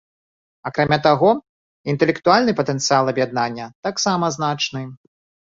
Акрамя таго, інтэлектуальны патэнцыял аб'яднання таксама значны.